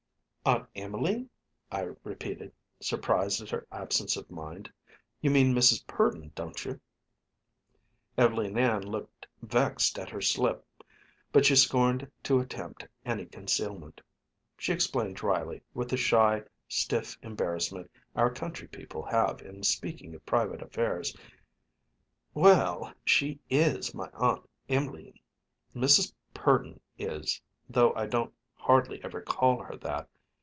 "Aunt Emeline?" I repeated, surprised at her absence of mind. "You mean Mrs. Purdon, don't you?" Ev'leen Ann looked vexed at her slip, but she scorned to attempt any concealment. She explained dryly, with the shy, stiff embarrassment our country people have in speaking of private affairs: "Well, she is my Aunt Em'line, Mrs. Purdon is, though I don't hardly ever call her that.